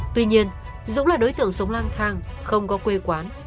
tuy nhiên dũng là đối tượng sống lang thang không có quê quán